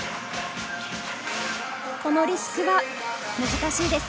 このリスクは難しいです。